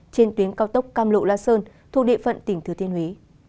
trên tuyến cao tốc cam lộ la sơn thuộc địa phận tỉnh thừa thiên huế